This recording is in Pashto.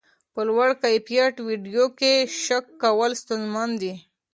په لوړ کیفیت ویډیو کې شک کول ستونزمن دي.